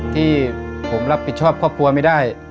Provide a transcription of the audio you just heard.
ที่ผมรับผิดชอบครอบครัวไม่ได้